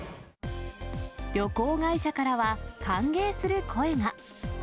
旅行会社からは歓迎する声が。